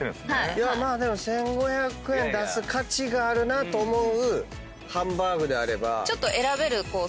まあでも１，５００円出す価値があるなと思うハンバーグであれば。